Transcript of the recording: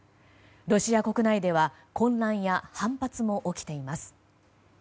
ロシア国内では混乱や反発も起きています。